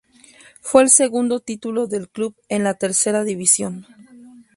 Fue el segundo título del club en la Tercera División.